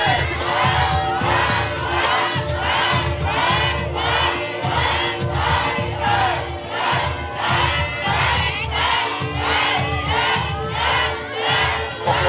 เย็นเย็นเย็นเย็น